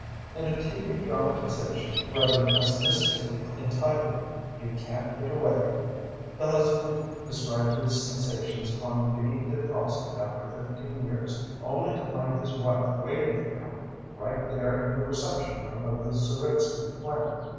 In a TV dramatization rather pessimistically entitled You Can't Get Away, the husband described his sensations upon being defrosted after 15 years, only to find his wife waiting for him, right there in the reception room of the Zeritsky plant.